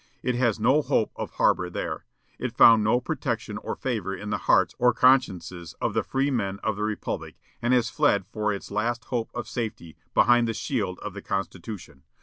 It has no hope of harbor there. It found no protection or favor in the hearts or consciences of the freemen of the republic, and has fled for its last hope of safety behind the shield of the Constitution.